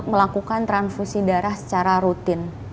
melakukan transfusi darah secara rutin